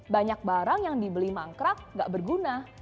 banyak barang yang dibeli mangkrak gak berguna